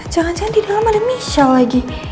jangan jangan di dalam ada michelle lagi